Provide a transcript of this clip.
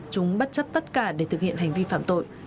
chúng bắt chấp tất cả để thực hiện hành vi phạm tội